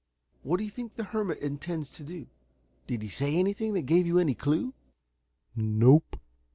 What do you think the hermit intends to do? Did he say anything that gave you any clue?" "Nope."